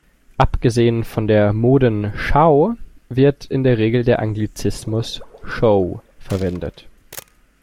Abgesehen von der Modenschau wird in der Regel der Anglizismus „Show“ verwendet.